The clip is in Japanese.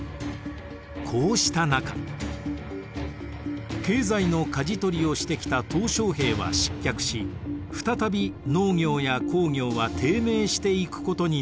こうした中経済のかじ取りをしてきた小平は失脚し再び農業や工業は低迷していくことになります。